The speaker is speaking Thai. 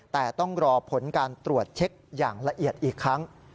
แต่ต้องรอผลการตรวจเช็คอย่างละเอียดอีกครั้ง